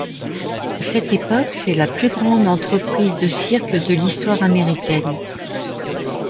À cette époque, c’est la plus grande entreprise de cirque de l’histoire américaine.